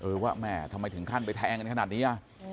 ว่าแม่ทำไมถึงขั้นไปแทงกันขนาดนี้